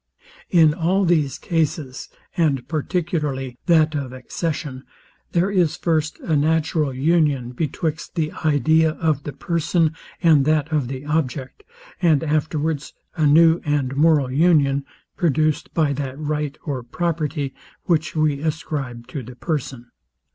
In all these Cases, and particularly that of accession, there is first a natural union betwixt the idea of the person and that of the object, and afterwards a new and moral union produced by that right or property, which we ascribe to the person.